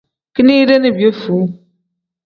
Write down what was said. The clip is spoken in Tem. Kinide ni piyefuu.